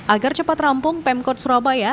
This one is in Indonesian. agar cepat rampung pemkot surabaya